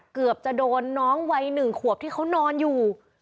เกือบจะโดนน้องวัย๑ขวบที่เขานอนอยู่